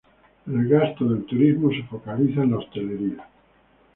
El gasto del turismo se focaliza en la hostelería.